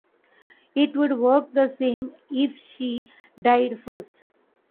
It would work the same if she died first.